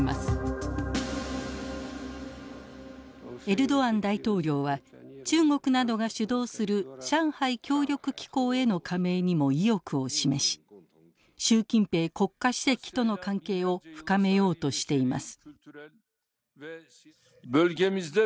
エルドアン大統領は中国などが主導する上海協力機構への加盟にも意欲を示し習近平国家主席との関係を深めようとしています。